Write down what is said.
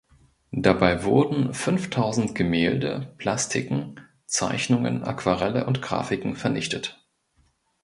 Dabei wurden fünftausend Gemälde, Plastiken, Zeichnungen, Aquarelle und Grafiken vernichtet.